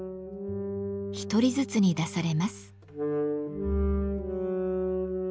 １人ずつに出されます。